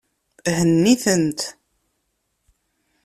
Henni-tent.